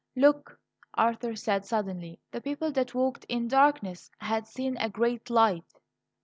"Look!" Arthur said suddenly. "The people that walked in darkness have seen a great light."